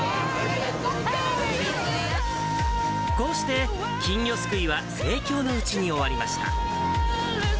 こうして金魚すくいは盛況のうちに終わりました。